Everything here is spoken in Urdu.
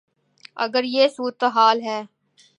اگر یہ صورتحال ہے۔